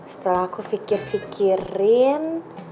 setelah aku fikir fikirin